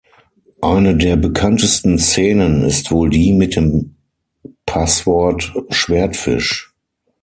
Eine der bekanntesten Szenen ist wohl die mit dem Passwort „Schwertfisch“.